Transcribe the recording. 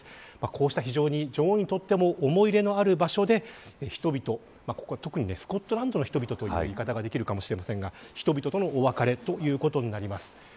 こうした、女王にとっても思い入れのある場所でここは特にスコットランドの人々という言い方ができるかもしれませんが人々とのお別れということになります。